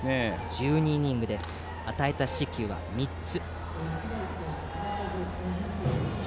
１２イニングで与えた四死球は３つ。